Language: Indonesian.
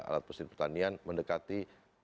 alat mesin pertanian mendekati